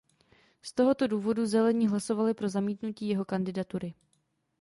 Z tohoto důvodu Zelení hlasovali pro zamítnutí jeho kandidatury.